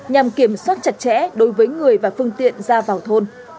chốt chặt chẽ đối với người và phương tiện ra vào thôn